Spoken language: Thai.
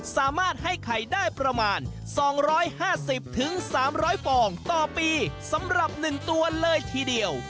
สามารถให้ไข่ได้ประมาณ๒๕๐๓๐๐ฟองต่อปีสำหรับ๑ตัวเลยทีเดียว